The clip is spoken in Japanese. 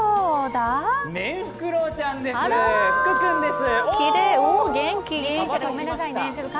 メンフクロウちゃんです、フクくんです。